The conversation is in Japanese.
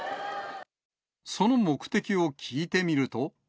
その目的を聞いてみると。